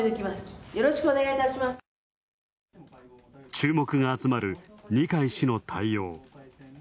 注目が集まる二階氏の対応。